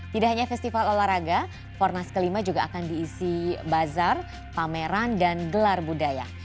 tidak hanya festival olahraga fornas ke lima juga akan diisi bazar pameran dan gelar budaya